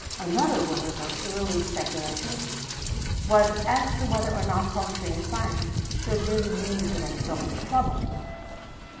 Another one of her early speculations was as to whether or not poetry and science really meant to make so much trouble.